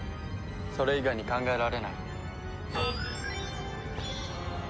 それ以外に考えられない。